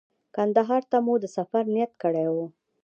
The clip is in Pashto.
کندهار ته مو د سفر نیت کړی و.